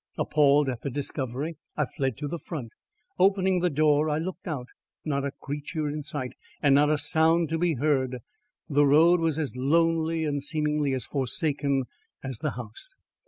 Appalled at the discovery, I fled to the front. Opening the door, I looked out. Not a creature in sight, and not a sound to be heard. The road was as lonely and seemingly as forsaken as the house.